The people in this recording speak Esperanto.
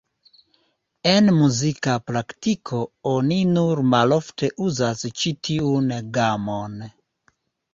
En muzika praktiko oni nur malofte uzas ĉi tiun gamon.